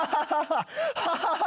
ハハハハハ！